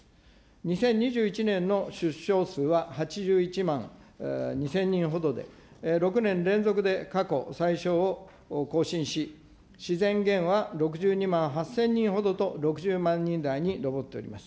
２０２１年の出生数は８１万２０００人ほどで、６年連続で過去最少を更新し、自然減は６２万８０００人ほどと、６０万人台に上っております。